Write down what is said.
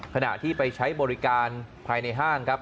ขณะที่ไปใช้บริการภายในห้างครับ